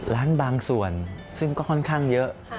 ร้านบางส่วนซึ่งก็ค่อนข้างเยอะ